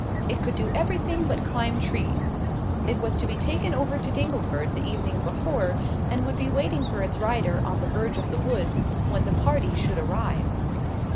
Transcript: It could do everything but climb trees. It was to be taken over to Dingleford the evening before, and would be waiting for its rider on the verge of the woods, when the party should arrive.